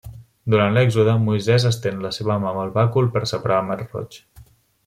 Durant l'Èxode, Moisès estén la seva mà amb el bàcul per separar el Mar Roig.